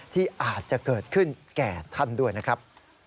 ที่อาจจะเกิดขึ้นแก่ท่านด้วยนะครับ